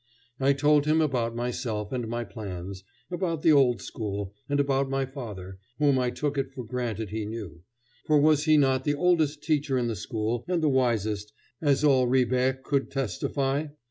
I told him about myself and my plans; about the old school, and about my father, whom I took it for granted he knew; for was he not the oldest teacher in the school, and the wisest, as all Ribe could testify?